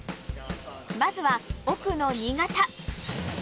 まずは奥の２型。